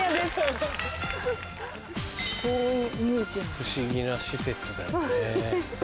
不思議な施設だよね。